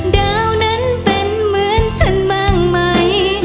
ดาวนั้นเป็นเหมือนฉันบ้างไหม